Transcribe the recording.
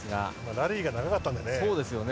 ラリーが長かったのでね。